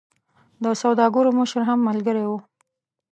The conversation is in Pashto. د سوداګرو مشر هم ملګری وو.